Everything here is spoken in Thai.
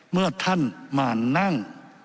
เมื่อท่านมานั่ง